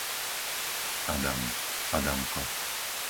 Adam, Adamko